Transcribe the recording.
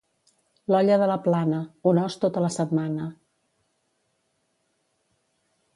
L'olla de la Plana: un os tota la setmana.